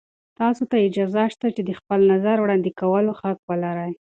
تاسې ته اجازه شته چې د خپل نظر وړاندې کولو حق ولرئ.